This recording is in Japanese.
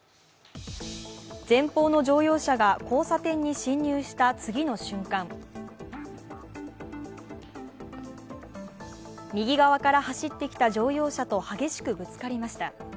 前方の乗用車が交差点に進入した次の瞬間、右側から走ってきた乗用車と激しくぶつかりました。